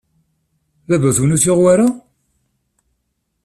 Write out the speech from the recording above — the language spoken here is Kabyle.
Baba-twen ur t-yuɣ wara?